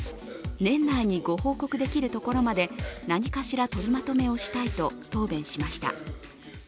年内にご報告できるところまで何かしら取りまとめをしたいと答弁しました。